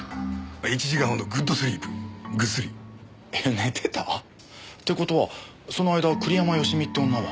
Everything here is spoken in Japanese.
寝てた？って事はその間栗山佳美って女は？